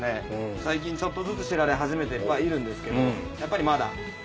最近ちょっとずつ知られ始めてはいるんですけどやっぱりまだ。